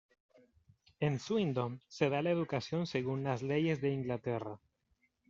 En Swindon se da la educación según las leyes de Inglaterra.